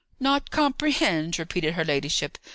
"Not comprehend!" repeated her ladyship.